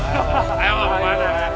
zaman kali yuga akan tiba